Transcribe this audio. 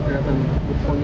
kelihatan pon ini